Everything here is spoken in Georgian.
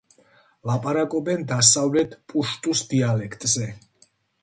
ლაპარაკობენ დასავლეთ პუშტუს დიალექტზე.